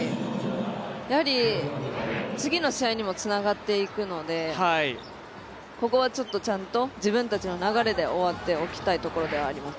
やはり次の試合にもつながっていくのでここはちょっとちゃんと自分たちの流れで終わっておきたいところではあります。